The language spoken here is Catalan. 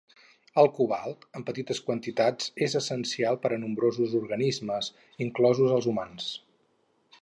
El cobalt en petites quantitats és essencial per a nombrosos organismes, inclosos els humans.